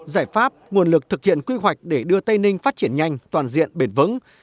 giải pháp nguồn lực thực hiện quy hoạch để đưa tây ninh phát triển nhanh toàn diện bền vững